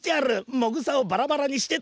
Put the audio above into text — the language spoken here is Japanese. もぐさをバラバラにしてと。